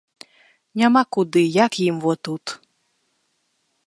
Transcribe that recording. Няма куды, як ім во тут.